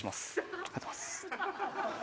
ありがとうございます